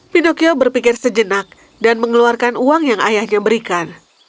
pinocchio berpikir sejenak dan mengeluarkan uang yang ayahnya berikan